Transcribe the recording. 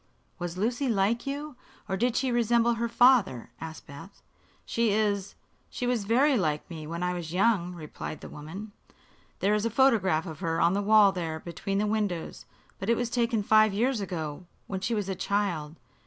"Was Lucy like you, or did she resemble her father?" asked Beth. "She is she was very like me when I was young," replied the woman. "There is a photograph of her on the wall there between the windows; but it was taken five years ago, when she was a child.